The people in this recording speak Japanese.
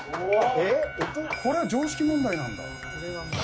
これは常識問題なんだ。